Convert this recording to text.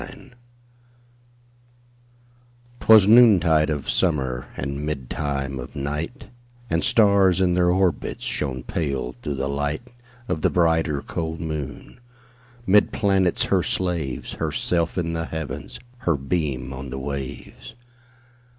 1827 Evening Star 'Twas noontide of summer, And midtime of night, And stars, in their orbits, Shone pale, through the light Of the brighter, cold moon. 'Mid planets her slaves, Herself in the Heavens, Her beam on the waves.